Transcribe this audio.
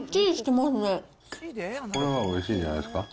これはおいしいんじゃないですか。